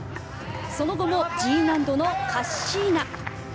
その後もＧ難度のカッシーナ